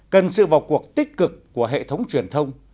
cần sự vào cuộc tích cực của hệ thống truyền thông